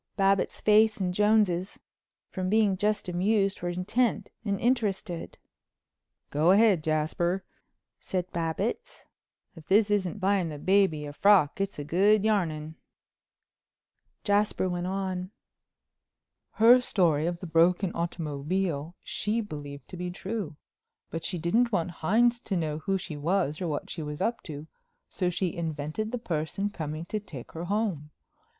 Babbitts's face and Jones's, from being just amused, were intent and interested. "Go ahead, Jasper," said Babbitts, "if this isn't buying the baby a frock it's good yarning." Jasper went on. "Her story of the broken automobile she believed to be true. But she didn't want Hines to know who she was or what she was up to, so she invented the person coming to take her home.